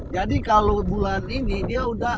jadi kalau bulan ini dia udah